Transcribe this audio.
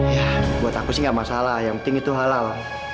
ya buat aku sih gak masalah yang penting itu halal